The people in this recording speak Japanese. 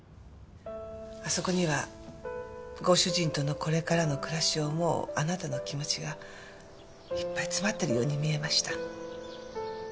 あそこにはご主人とのこれからの暮らしを思うあなたの気持ちがいっぱい詰まってるように見えました。